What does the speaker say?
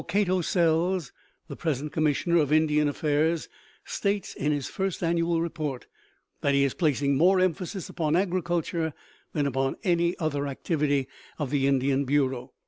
Cato Sells, the present Commissioner of Indian Affairs, states in his first annual report that he is placing more emphasis upon agriculture than upon any other activity of the Indian Bureau.